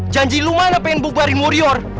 janji lu mana pengen bubarin warrior